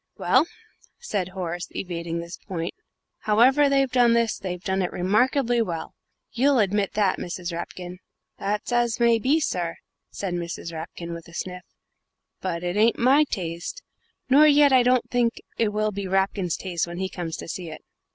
"Well," said Horace, evading this point, "however they've done this, they've done it remarkably well you'll admit that, Mrs. Rapkin?" "That's as may be sir," said Mrs. Rapkin, with a sniff, "but it ain't my taste, nor yet I don't think it will be Rapkin's taste when he comes to see it."